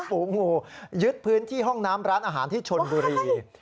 ฝูงงูยึดพื้นที่ห้องน้ำร้านอาหารที่ชนบุรี